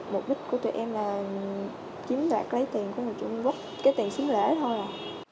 mục đích của tụi em là chiếm đoạt lấy tiền của người trung quốc cái tiền xứng lễ thôi mà